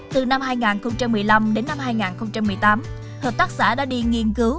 từ năm hai nghìn một mươi năm đến năm hai nghìn một mươi tám hợp tác xã đã đi nghiên cứu